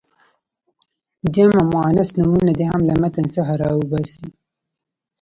جمع مؤنث نومونه دې هم له متن څخه را وباسي.